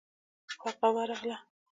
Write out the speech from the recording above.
هغه ورغله.